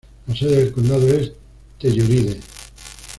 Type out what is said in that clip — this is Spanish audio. La sede del condado es Telluride.